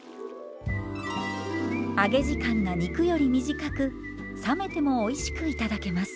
揚げ時間が肉より短く冷めてもおいしく頂けます。